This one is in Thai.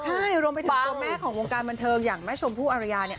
ใช่รวมไปถึงตัวแม่ของวงการบันเทิงอย่างแม่ชมพู่อารยาเนี่ย